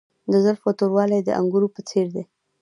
د زلفو توروالی د انګورو په څیر دی.